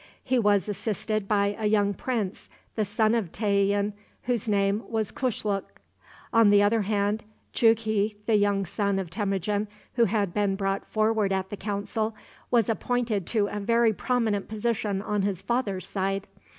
He was assisted by a young prince, the son of Tayian, whose name was Kushluk. On the other hand, Jughi, the young son of Temujin, who had been brought forward at the council, was appointed to a very prominent position on his father's side.